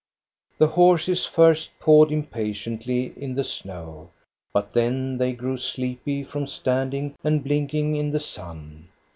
The horses first pawed impatiently in the snow, but then they grew sleepy from standing and blinking in the sun.